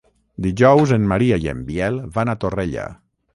Dijous en Maria i en Biel van a Torrella.